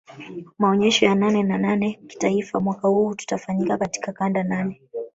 Maonyesho ya nane nane kitaifa mwaka huu tatafanyika katika kanda nane